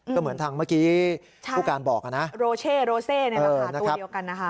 ก็เหมือนทางเมื่อกี้ผู้การบอกนะโรเช่โรเซนี่แหละค่ะตัวเดียวกันนะคะ